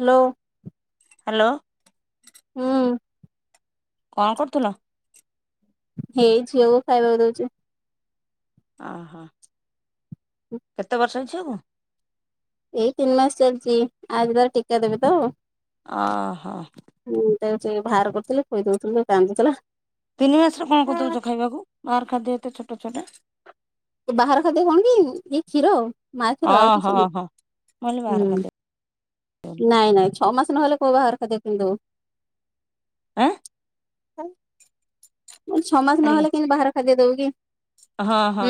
Hello. Hello. ହୁଁ। କଣ କରୁଥିଲ? ଏଇ ଝିଅକୁୁ ଖାଇବାକୁ ଦଉଚି। ଅହ। [unintelligible] କେତେ ବର୍ଷ ଝିଅକୁ? ଏଇ ତିନି ମାସ ଚାଲ୍ଚି, ଆଜି ତାର ଟିକା ଦେବେ ତ। ଅହ। ହଁ ତାକୁ ଟିକେ ବାହାର କରୁଥିଲି ଖୋଇଦଉଥିଲି [unintelligible] କାନ୍ଦୁଥିଲା। ତିନି ମାସରେ କଣ କରି ଦେଉଚ ଖାଇବାକୁ ବାହାର ଖାଦ୍ୟ ଏତେ ଛୋଟ ଛୁଆଟା। ବାହାର ଖାଦ୍ୟ କଣ କି ଏଇ କ୍ଷୀର ମା ଖିର ଆଉ ଓହୋ କିଛି ହୋ ମୁଁ କହିଲି ବାହାର ନୁହଁ। ଖାଦ୍ୟ ଦଉନ। ନାଇଁ-ନାଇଁ ଛଅ ମାସ ନହେଲେ କୋଉ ବାହାର ଖାଦ୍ୟ କେମିତି ଦବୁ। ଆଁ ମୁଁ କହିଲି ଛଅ ମାସ ହ୍ୟାଲୋ ନହେଲେ କେମତି ବାହାର ଖାଦ୍ୟ ଦବୁ କିି? ହଁ ହଁ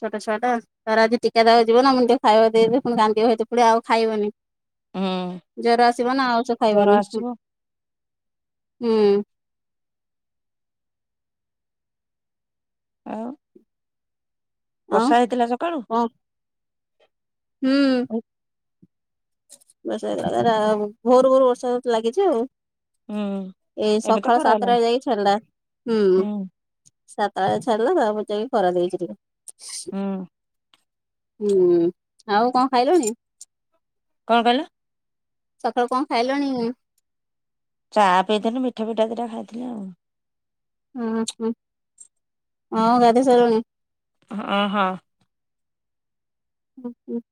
ଛୋଟ ଛୁଆଟା ତାର ଆଜି ଟୀକା ଦବାକୁ ଯିବ ନା, ମୁଁ ଟିକେ ଖାଇବା [unintelligible] ପୁଣି କାନ୍ଦିବ [unintelligible] ପୁଣି ଆଉ ଖାଇବନି। ହୁଁ ଜର ଆସିବ ନା ଆଉ ସେ ଜର ଖାଇବନି, ଆସିବ ହୁଁ। ଆଉ ଆଉ ବର୍ଷା ହେଇଥିଲା ସକାଳୁ? କଣ ହୁଁ। ବର୍ଷା ହେଉଥିଲା, ରା ଭୋରୁ-ଭୋରୁ ବର୍ଷା ଲାଗିଚି ଆଉ। ହୁଁ ଏ ଏବେ ତ ସଖାଳ ଖରା ସାତଟା ହେଲାଣି [unintelligible] ଛା ଡିଲା ହୁଁ ସାତଟା ବଳେ ଛାଡିଲା, ତା ପରେ ଯଇକି ଖରା ଦେଇଚି ଟିକେ। ହୁଁ ହୁଁ, ଆଉ କଣ ଖାଇଲଣି? କଣ କଇଲ? ସଖାଳୁ କଣ ଖାଇଲଣି? ଚା ପିଇଥିଲୁ ମିଠା ଫିଠା ଦିଟା ଖାଇଥିଲି ଆଉ। ହୁଁ-ହୁଁ, ହଁ ଗାଧେଇସାରିଲୁଣି। ହଁ-ହଁ। [inaudible]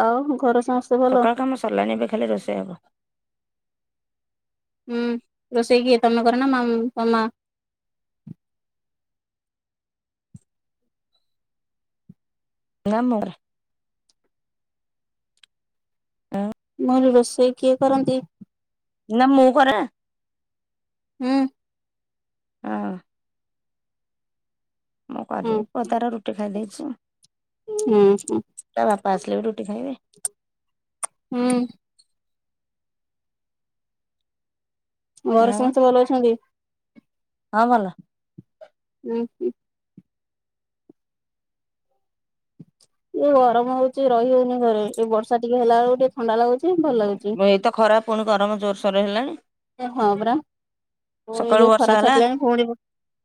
ଆଉ ଘରେ ସମସ୍ ସକାଳ କାମ ସରିଲାନି ଏବେ ଖାଲି ରୋଷେଇ ହେବ। ହୁଁ ରୋଷେଇ କିଏ ତମେ କର ନା ମାମ୍ ତମ ମା? ନା ମୋରା ଅଁ ମୁଁ କହିଲି ରୋଷେଇ କିଏ କରନ୍ତି? ନା ମୁଁ କରେ ନା। ହୁଁ। ହଁ। ମୁଁ ହୁଁ କରିବି ପୁଅ ତାର ରୁଟି ଖାଇ ଦେଇେଇଚି। ହୁଁ ହୁଁ ଖାଇବେ ହୁଁ। ଘରେ ଆଉ ସମସ୍ତେ ଭଲ ଅଛନ୍ତି? ହଁ ଭଲ ଉଁ ହୁଁ। ଏଇ ଯୋଉ ଗରମ ହୋଉଚି ରହିହଉନି ଘରେ ଏଇ ବର୍ଷା ଟିକେ ହେଲା ବେଳକୁ ଟିକେ ଥଣ୍ଡା ଲାଗୁଚି। ଏଇତ ଖରାପ ପୁଣି ଗରମ ଜୋରସୋର ହେଲାଣି। ଏ ହଁ ପରା। ପୁଣି ସକାଳୁ ଯୋଉ ଖରା ବର୍ଷା ହେଲା ଛାଡିଲାଣି ପୁଣି ହୁଁ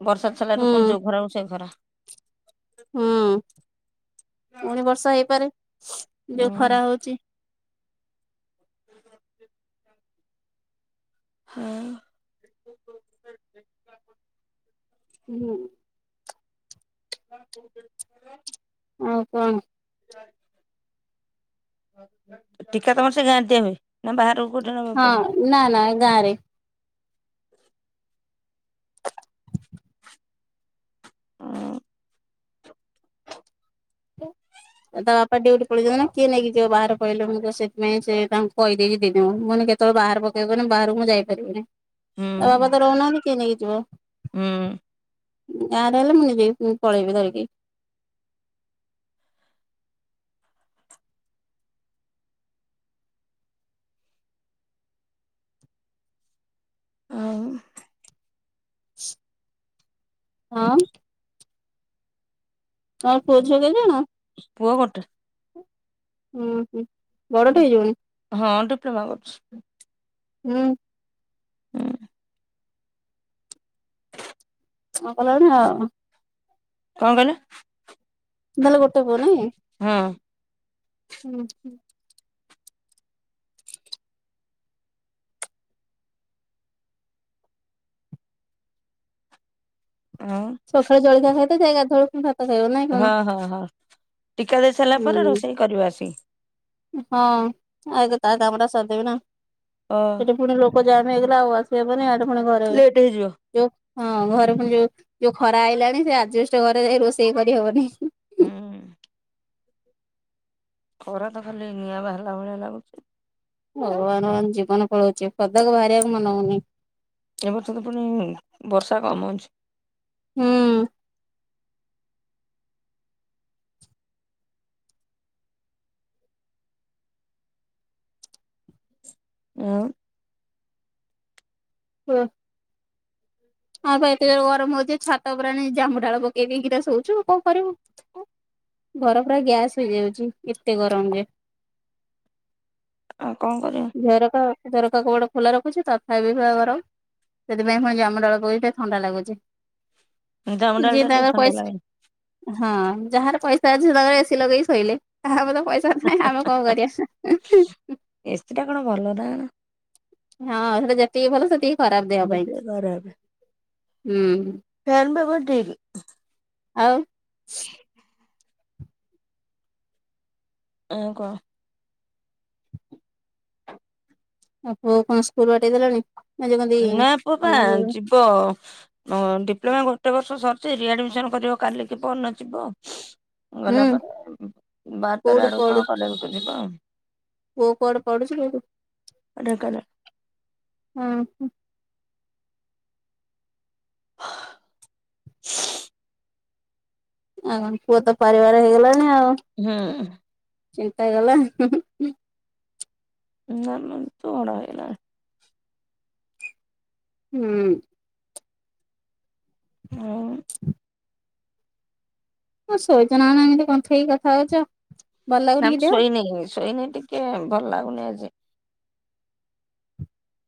ବର୍ଷା ଛାଡ଼ିଲା ଠୁ ପୁଣି ଯୋଉ ଖରା କୁ ସେଇ ଖରା। ହୁଁ। ପୁଣି ବର୍ଷା ହେଇପାରେ ଯୋଉ ଖରା ହଉଚି। [inaudible] ହଁ। ହୁଁ। [unintelligible] ଆଉ କଣ ଟିକା ତମର ସେଇ ଗାଁ ରେ ଦିଆ ହୁଏ? ନା ବାହାରକୁ କୋଉଠି ନେବାକୁ ପଡ଼େ? ହଁ ନା ନା ଗାଁ ରେ। ହଁ। ହ [inaudible] ତା ବାପା ଡିୟୁଟି ପଳେଇଚନ୍ତି ନା କିଏ ନେଇକି ଯିବ ବାହାର କହିଲେ ମୁଁ ତ ସେଥିପାଇଁ ସେ ତାଙ୍କୁ କହିଦେଇକି ଦିଦି ଙ୍କୁ ମୁଁ କହିଲି କେତେ କେତେବେଳେ ବାହାର ପକେଇବନି ବାହାରାରୁକୁ ମୁଁ ଯାଇପାରିବିନି ତା ବାବା ତ ରହୁନାହାନ୍ତି କି ନେଇକି ଯିବ। ହୁଁ। ଗାଁ ରେ ହେଲେ ମୁଁ ନିଯେ ବି ପଳେଇବି ଧରିକି। ଆଉ ଆଁ? ତମ ପୁଅଝିଅ କେଇ ଜଣ? ପୁଅ ଗୋଟେ। ଉଁ ହୁଁ ବଡଟେ ହେଇଯିବଣି? ହଁ ଡିପ୍ଲୋମା କରୁଛି। ମୁଁ ହଁ କଲାଣି ଆଉ। କଣ କହିଲ? ତାହେଲେ ଗୋଟେ ପୁଅ ନାଇଁ। ହଁ। ହୁଁ ହୁଁ। ହଁ ସକାଳେ ଜଳିଖିଆ ଖାଇଦେଇଚି ଯାଇ କି ଗାଧୁଆ ବେଳକୁ ଭା ହଁ ହଁ ହଁ ଟିକା ଦେଇ ସାରିଲା ପରେ ହୁଁ ରୋଷେଇ କରିବ ଆସିକି। ହଁ ଆଗେ ତା କାମଟା ସାରିଦେବି ନା। ଅ। ଫୁଣି ଲୋକ ଜାମ ହେଇଗଲେ ଆଉ ଆସିହବନି ଆଡେ ପୁଣି ଘରେ ଲେଟ୍ ହେଇଯିବ। ଯୋଉ ହଁ ଘର ଫୁଣି ଯୋଉ ଯୋଉ ଖରା ଆଇଲାଣି ସେ ଆଜବେଷ୍ଟ ଘରେ ଯାଇ ରୋଷେଇ କରିହବନି। ହୁଁ। ଖରା ତ ଖାଲି ନିଆଁ ବାହାରିଲା ଭଳିଆ ଲାଗୁଚି। ଭଗବାନ ଭଗବାନ ଜୀବନ ପଳୋଉଚି ପଦାକୁ ବାହାରିବାକୁ ମନ ହୋଉନି। ଏ ବର୍ଷ ତ ପୁଣି ବର୍ଷା କମ୍ ଅଛି। ହୁଁ। ଆଉ [unintelligible] ହଁ ପା ଏତେ ଜୋରରେ ଗରମ ହୋଉଚି ଯେ ଛାତ ଓପରେ ଏଣେ ଜାମୁ ଡାଳ ପକେଇ ଦେଇକିନା ଶୋଉଚୁ କଣ କରିବୁ। ଘର ପୁରା ଗ୍ୟାସ ହେଇଯାଉଚି ଏତେ ଗରମ ଯେ। ଆଉ କଣ କରିବ। ଝରକା ଝରକା କବାଟ ଖୋଲା ରଖୁଚି ତଥାପି ପା ଗରମ। ସେଥିପାଇଁ ଫୁଣି ଜାମୁଡାଳ ପକେଇ ଟିକିଏ ଥଣ୍ଡା ଲାଗୁଚି ଜାମୁ ଡାଳ ଯିଏ ଟା ଟିକେ ତାଙ୍କର ଥଣ୍ଡା ପଇ ଲାଗେନି ହଁ ଯାହାର ପଇଷା ଅଛି ତାଙ୍କର ଏସିି ଲଗେଇ କି ଶୋଇଲେ। ଆଃହା ଆମର ତ ପଇ ଆମର ତ ନାହିଁ ଆମେ କଣ କରିବା। ଏସିଟା କଣ ଭଲ ନା କଣ। ହଁ ସେଟା ଯେତିକି ଭଲ ସେତିକି ଖରାପ ଦେହ ପାଇଁ ଟିକେ ଖରାପ ହୁଁ। ଫ୍ୟାନ ପବନ ଠିକ୍। ଆଉ ଆଉ କଣ। ଆଉ ପୁଅ କଣ ସ୍କୁଲ ବାଠେଇ ଦେଲଣି। ନା ଯୋଉ କହନ୍ତି ନାଁ ପୁଅ ପା ତମ ଯୋଉ ଯିବ। ହ ଡିପ୍ଲୋମା ଗୋଟେ ବର୍ଷ ସରିଚି ରିଆଡମିସନ କରିବ କାଲିିକି ପହରଦୀନ ଯିବ। ହୁଁ ଗଲା ପରେ ବାର ତେର କୋଉଠି ଆଡକୁ ପଢୁ କଣ କଲେ ଗୋଟେ ଯିବ ଆଉ। ପୁଅ କଣ ପଢୁଚି ଢେଙ୍କାନାଳ [unintelligible] ଉଁ ହୁଁ। [unintelligible] ଆଉ କଣ ପୁଅ ତ ପରିବାର ହେଇଗଲାଣି ଆଉ। ହୁଁ। ଚିନ୍ତାଗଲା। [unintelligible] ନା ନା ସିଏ ତ ବଡ ହେଇଗଲାଣି। ହୁଁ। ଆଉ କଣ ଶୋଇଚନା କଣ ଏମିତି କୁଂଥେଇକି କଥା ହୋଉଚ। ନାଁ ମୁଁ ଶୋଇନି ଶୋଇନି ଟିକେ ଭଲ ଲାଗୁନି ଆଜି।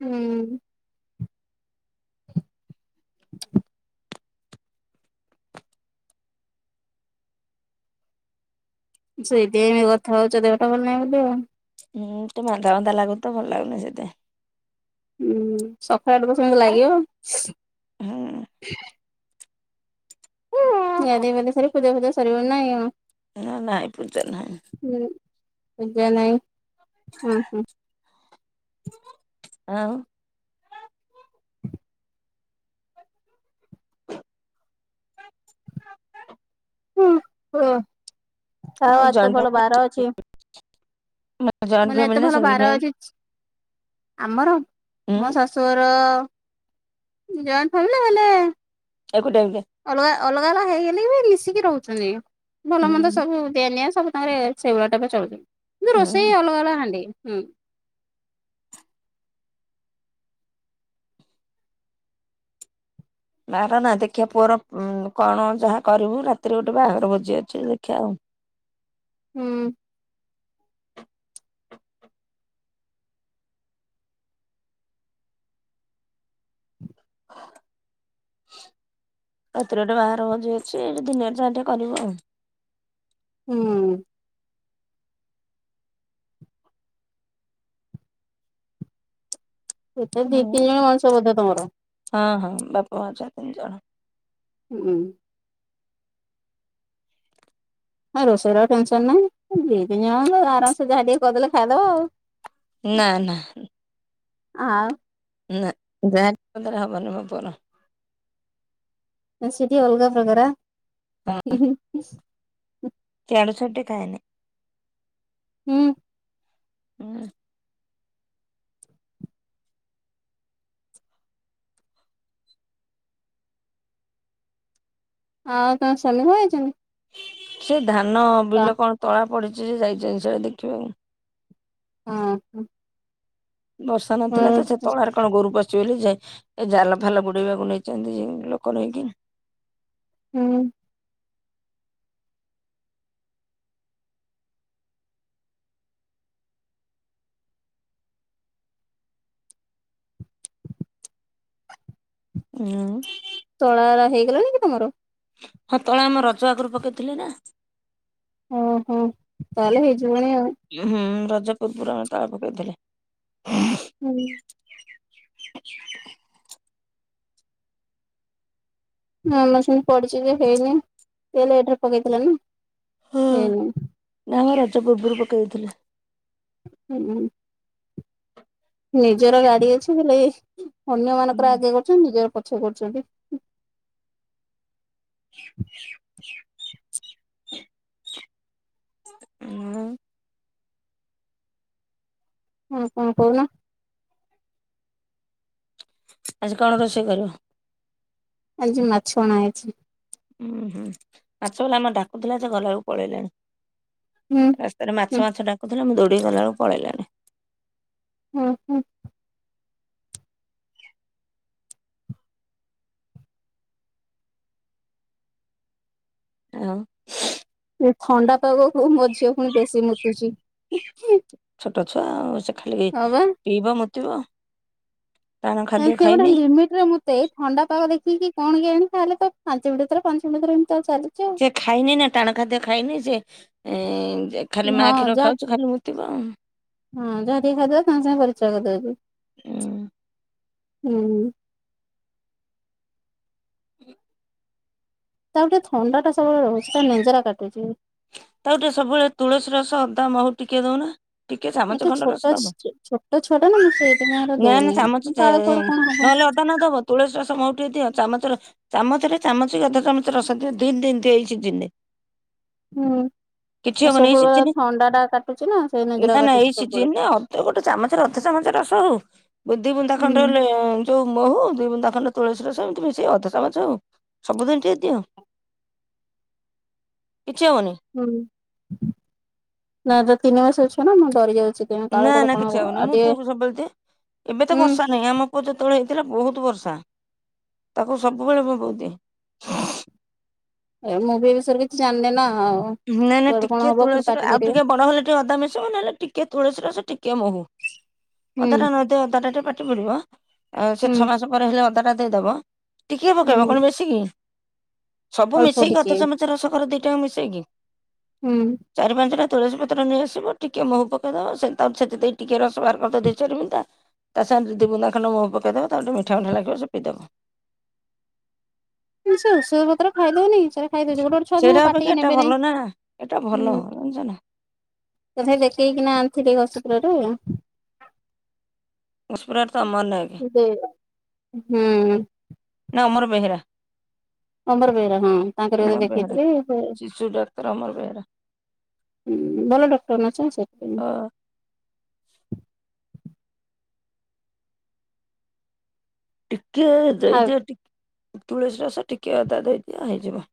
ହୁଁ। ସେଇଥିପାଇଁ ଏମିତି କଥା ହୋଉଚ ଦେହଟା ଭଲ ନାହିଁ ବୋଲି ଆଉ। ହୁଁ ଟିକେ ମାନ୍ଦା ମନ୍ଦା ଲାଗୁଚି ତ ଭଲ ଲାଗୁନି ସେଇତି ପାଇଁ। ହୁଁ ସକାଳଟା ତ ସେମିତି ଲାଗିବ। ହୁଁ [unintelligible] ଗାଧେଇ ପାଧେଇ ସାରି ପୂଜା ଫୂଜା ସରିବଣି ନାଁ କି? ହେରା ନାଇଁ ପୂଜା ନାହିଁ। ହୁଁ [unintelligible] ନାାଇଁ ହୁ ହୁ। ଆଉ। ହୁ ହୁ ଆଉ ଆଜିତ ଭଲ ବାର ଅଛି। ଫ୍ୟାମିଲି ଜଏଣ୍ଟ ମାନେ ଫ୍ୟାମିଲି ଏତେ ନା ଭଲ ସିଙ୍ଗଲ ବାାର ଫ୍ୟାମିଲି ଅଛି। ଆମର ହୁଁ ମୋ ଶାଶୁଘର ଜଏଣ୍ଟ ଫ୍ୟାମିଲୀ ହେଲେ ଏକୁ ଟାଇ। ଅଲଗା ଅଲଗା ଅଲଗା ହେଇଗଲେ ଏ ମିଶିକି ରହୁଛନ୍ତି ଭଲ ମନ୍ଦ ହୁଁ ସବୁ ଦିଆନିଆ ସବୁ ତାଙ୍କରେ ସେଇଭଳିଆ ଟା ଚଳୁଚ କିନ୍ତୁ ହୁଁ। ରୋଷେଇ ଅଲଗା ଅଲଗା ହାଣ୍ଡି ହୁଁ। ବାର ନା ଦେଖିବା ପୁଅର କଣ ଯାହା କରିବୁ ରାତିରେ ଗୋଟେ ବାହାଘର ଭୋଜି ଅଛି ଦେଖିବା ଆଉ। ହୁଁ। ହ। ରାତିରେ ଗୋଟେ ବାହାଘର ଭୋଜି ଅଛି ଏଇ ଦିନରେ ଯାହାଟିକେ କରିବୁ ଆଉ। ହୁଁ। ଏତେ ଦି ହୁଁ। ତିନି ଜଣ ମଣିଷ ବୋଧ ତମର। ହଁ ହଁ ବାପା ମା ଛୁଆ ତିନି ଜଣ। ହୁଁ ଉୁଁ। ହ ରୋଷେଇର ଟେନସନ ନାହିଁ ଦିଇ ତିନି ଜଣ ଆରାମ ସେ ଯାହା ଟିକେ କରିଦେଲେ ଖାଇଦବ ଆଉ। ନା ନା। ଆଉ। ନା ଯା [unintelligible] ହବନି ମୋ ପୁଅର। ଆ ସେ ଟିକେ ଅଲଗା ପ୍ରକାର। ଏଆଡୁ ସିଆଡୁ ଟିକେ ଖାଏନି। ହୁଁ। ହୁଁ। ଆଉ ତାଙ୍କ ସ୍ୱାମୀ କୁଆ ଯାଇଚନ୍ତି। ସେ ଧାନ ବିଲ କଣ ତଳା ପଡିଛି ସେ ଯାଇଛନ୍ତିିନି ସେରା ଦେଖିବାକୁ। ହଁ ହ। ବର୍ଷା ନଥିଲା ତ ସେ ତଳାର କଣ ଗୋରୁ ପଶିଜିବ ବୋଲି ଯେ ଜାଲ ଫାଲ ବୁଡେଇବାକୁ ନେଇଛନ୍ତି ଲୋକ ନେଇକି। ହୁଁ। ହୁଁ। ତଳା ଗୁରା ହେଇଗଲାଣି କି ତମର? ହଁ ତଳା ଆମ ରଜ ଆଗରୁ ପକେଇଥିଲେ ନା। ଓହୋ ତାହେଲେ ହୋଇଯିବଣି ଆଉ। ହୁଁ ରଜ ପୂର୍ବରୁ ଆମେ ତାଳ ପକେଇଥିଲେ। ହୁଁ। ହଁ ଆମର ସେମିତି ପଡିଛି ଯେ ହେଇନି ସେ ଲେଟ୍ ରେ ପକେଇଥିଲା ନା ହେଇନି। ନା ଆମ ରଜ ପୂର୍ବରୁ ପକାଇ ଦେଇଥିଲେ। ହୁଁ ହୁଁ। ନିଜର ଗାଡି ଅଛି ବୋଲି ଅନ୍ୟ ହୁଁ ମାନଙ୍କର ଆଗେ କରୁଛନ୍ତି ନିଜର ପଛରେ କରୁଛନ୍ତି। ହ। ଉଁହଁ। ହଁ କଣ କହୁନ। ଆଜି କଣ ରୋଷେଇ କରିବ? ଆଜି ମାଛ ଅଣା ହେଇଚି। ଉଁ ହୁଁ, ମାଛ ବେଲା ଆମର ଡାକୁଥିଲା ଯେ, ଗଲାବେଳ କୁ ପଳେଇଲେଣି। ହୁଁ ରାସ୍ତାରେ ହୁଁ ମାଛ ମାଛ ଡାକୁଥିଲା, ମୁଁ ଦୌଡ଼ିକି ଗଲା ବେଳକୁ ପଳେଇଲାଣି। ହୁଁ ହୁଁ। ଆଉ ଏ ଥଣ୍ଡା ପାଗକୁ ମୋ ଝିଅ ପୁଣି ବେଶୀ ମୁତୁଚି। ଛୋଟ ଛୁଆ ଆଉ, ସେ ଖାଲି ପିଇବ ମୁତିବ। ତାର ନାଇଁ, ଖାଦ୍ୟ ସେ ଗୋଟେ ଖାଇନି। ଲିମିଟରେ ମୁତି ମୁତେ, ଥଣ୍ଡା ପାଗ ଦେଖିକି କଣ କେଜାଣି, ତାହେଲେ ତ ପାଞ୍ଚ ମିନିଟ ଥରେ ପାଞ୍ଚ ମିନିଟ ଥରେ ଏମିତି ଚାଲିଚି ଆଉ। ସେ ଖାଇନି ନା ଟାଣ ଖାଦ୍ୟ ଖାଇନି, ସେ, ଖାଲି ହଁ ମାଆ କ୍ଷୀର ଯାହା ଖାଉଚି ଖାଲି ମୁତିବ। ହଁ, ଯାହା ଟିକେ ଖାଇଦବ, ସାଙ୍ଗେ ସାଙ୍ଗେ ପରିସ୍ରା କରିଦେଉଚି। ହୁଁ। ହୁଁ। ହୁଁ। ତାକୁ ଟିକେ ଥଣ୍ଡାଟା ସବୁ ବେଳେ ରହୁଚି, ତା ନେଞ୍ଜେରା କାଟୁଚି। ତାକୁ ଟିକେ ସବୁବେଳେ, ତୁଳସୀ ରସ, ଅଦା, ମହୁ ଟିକେ ଦଉନା। ଟିକେ ଚାମଚ ଏଟା ଖଣ୍ଡ ରସ ଛୋଟ ଦେବ। ଛୋଟ ଛୁଆ ଟା ନା ମୁଁ ସେଇଥିପାଇଁ ଏରା ନା ନା, ଦଉନି ଚାମଚ କାଳେ କୁଆଡେ କଣ ହବ ନହେଲେ ଅଦା ଅଦା ନ ଦେବ, ତୁଳସୀ ରସ ମହୁ ଟିକେ ଦିଅ, ଚାମଚର। ଚାମଚରେ ଚାମଚ କି ଅଧ ଚାମଚ ରସ ଦିଅ, ଦି ଦିନି ହୁଁ, ହବନି ଏଇ ସବୁବେଳେ ସିଜିନ ଥଣ୍ଡା ଟା କାଟୁଚି ନା, ସେଇ ନେଞ୍ଜେରା କାଟୁଚି ସବୁବେଳେ। ତ ଗୋଟେ ଚାମଚ ଅଧ ଚାମଚ ରସ ହଉ। ଦୁଇ ବୁନ୍ଦା ଖଣ୍ଡେ ହୁଁ ହେଲେ ଯୋଉ ମହୁ, ଦୁଇ ବୁନ୍ଦାଖଣ୍ଡ ତୁଳସୀ ରସ, ଏମିତି ମିଶେଇ ଅଧ ଚାମଚ ହଉ, ସବୁଦିନ ଟିକେ ଦିଅ। କିଛି ହବନି। ହୁଁ, ନା ଏଟା ତିନି ମାସର ଛୁଆ ନା, ମୁଁ ଡରି ଯାଉଚି। ନା ନା, କିଛି ହବନି, ମୋ ପୁଅକୁ ସବୁବେଳେ ଦିଏ। ଏବେ ତ ହୁଁ ବର୍ଷା ନାହିଁ ଆମ ପୁଅ ଯେତେବେଳେ ହେଇଥିଲା, ବହୁତ ବର୍ଷା, ତାକୁ ସବୁବେଳେ ମୋ ବୋଉ ଦିଏ। ଏ ମୁଁ ବି ଏ ବିଷୟରେ କିଛି ଜାଣିନି ନା ଆଉ। ନାଇଁ ନାଇଁ କୁଆଡେ କଣ ଟିକେ ହବ ପୁଣି ତୁଳସୀର ପାଟି ଆଉ କରିବେ ଟିକେ ବଡ଼ ହେଲେ ଟିକେ ଅଦା ମିଶିବ, ନହେଲେ ଟିକେ ତୁଳସୀ ରସ ଟିକେ ମହୁ। ଅଦା ହୁଁ ଟା ନ ଦିଅ, ଅଦାଟା ଦେଲେ ଟିକେ ପାଟି ପଡ଼ିବ, ସେ ହୁଁ ଛଅ ମାସ ପରେ ହେଲେ ଅଦା ଟା ଦେଇଦବ। ଟିକେ ପକେଇବ ହୁଁ କଣ ବେଶିକି? ସବୁ ଅଳ୍ପ ମିଶେଇକି ଟିକେ ଅଧ ଚାମଚ ରସକର ଦିଟା ଆକ ମିଶେଇକି। ହୁଁ। ଚାରି ପାଞ୍ଚ ଟା ତୁଳସୀ ପତ୍ର ନେଇଆସିବ, ଟିକେ ମହୁ ପକେଇଦବ, ସେଥି ଦେଇ ଟିକେ ରସ ବାହାର କରିଦବ ଦୁଇ ଚାରି ବୁନ୍ଦା। ତା ସାଙ୍ଗେ ଦି ବୁନ୍ଦା ଖଣ୍ଡେ ମହୁ ପକେଇଦବ, ତାକୁ ଟିକେ ମିଠା ମିଠା ଲାଗିବ, ସେ ପିଇ ଦେବ। ନାଇଁ ସେ ଔଷଧ ପତ୍ର ଖାଇଦଉନି କି, ସେରା ଖାଇଦଉଚି, ଗୋଟେ ଗୋଟେ ଛୁଆ ତାଙ୍କ ସେଇଟା ଅପେକ୍ଷା ପାଟିକି ଏଟା ନେବେ ନାହିଁ ଭଲ ନା, ଏଟା ହୁଁ ଭଲ, ଜାଣିଚ ନା? ତଥାପି ଦେଖେଇକିନା ଆଣିଥିଲି ଘଷିପୁରରୁ। ଘଷପୁରାରେ ତ ଅମର ନାୟକ ଦେ ହୁଁ। ନା ଅମର ବେହେରା। ଅମର ବେହେରା ହଁ, ତାଙ୍କରି କତିରେ ଅମର ବେହେରା ଦେଖେଇଥିଲି ସେ ଶିଶୁ ଡାକ୍ତର ଅମର ବେହେରା ହୁଁ, ଭଲ ଡକ୍ଟର ନା ସେ, ସେଥିପାଇଁ। ଅ ଟିକେ ଆଉ ଦେଇଦିଅ ତୁଳସୀ ରସ, ଟିକେ ଅଦା ଦେଇଦିଅ ହେଇଯିବ।